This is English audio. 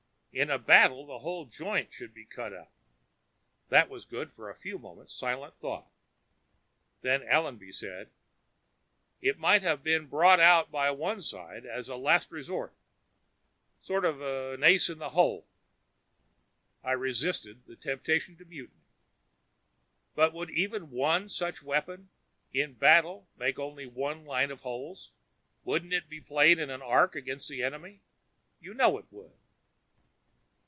In a battle, the whole joint should be cut up. That was good for a few moments' silent thought. Then Allenby said, "It might have been brought out by one side as a last resort. Sort of an ace in the hole." I resisted the temptation to mutiny. "But would even one such weapon, in battle make only one line of holes? Wouldn't it be played in an arc against the enemy? You know it would."